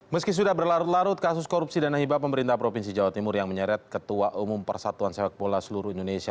meski sudah berlarut larut kasus korupsi dana hibah pemerintah provinsi jawa timur yang menyeret ketua umum persatuan sepak bola seluruh indonesia